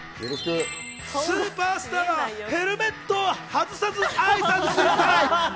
スーパースター、ヘルメットを外さず挨拶する。